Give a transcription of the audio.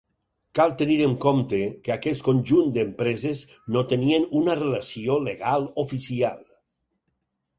Cal tenir en compte que aquest conjunt d'empreses no tenien una relació legal oficial.